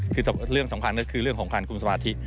คือเรื่องสำคัญก็คือเรื่องของการคุมสมาธิ